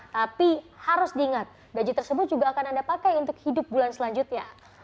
tapi harus diingat gaji tersebut juga akan anda pakai untuk hidup bulan selanjutnya